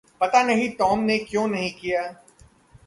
पता नहीं टॉम ने क्यों नहीं किया।